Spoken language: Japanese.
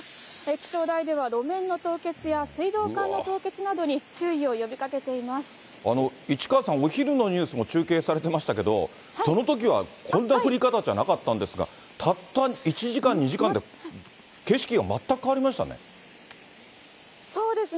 気象台では路面の凍結や水道管の凍結などに注意を呼びかけていま市川さん、お昼のニュースも中継されてましたけど、そのときはこんな降り方じゃなかったんですが、たった１時間、２時間で景色が全く変わりましたね。